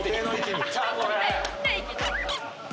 これ。